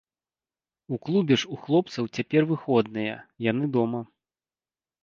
У клубе ж у хлопцаў цяпер выходныя, яны дома.